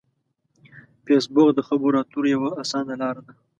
فېسبوک د خبرو اترو یوه اسانه لار ده